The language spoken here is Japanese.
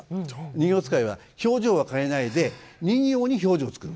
人形遣いは表情は変えないで人形に表情を作る。